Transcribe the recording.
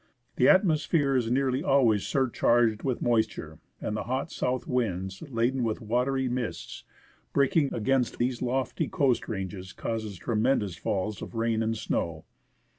The atmosphere is nearly always surcharged with moisture, and the hot south winds, laden with IN PUGET SOUND. watery mists, breaking against the lofty coast ranges, cause tremen dous falls of rain and snow.